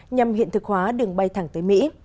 nhằm hiện thực hóa đường bay thẳng tới mỹ